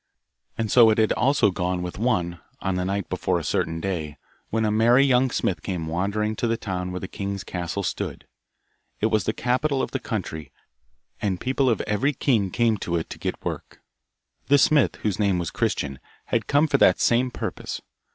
And so it had also gone with one, on the night before a certain day, when a merry young smith came wandering to the town where the king's castle stood. It was the capital of the country, and people of every king came to it to get work. This smith, whose name was Christian, had come for that same purpose.